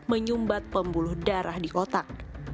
menyumbat pembuluh darah di otak